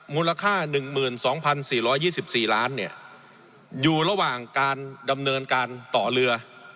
มูลค่าหนึ่งหมื่นสองพันสี่ร้อยยี่สิบสี่ล้านเนี่ยอยู่ระหว่างการดำเนินการต่อเรือ